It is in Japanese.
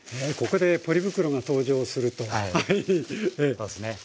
そうですね。